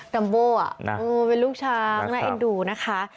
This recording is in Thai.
ัมโบเป็นลูกช้างน่าเอ็นดูนะคะ